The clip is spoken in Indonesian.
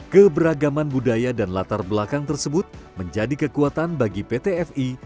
keberagaman budaya dan latar belakang tersebut menjadi kekuatan bagi pt fi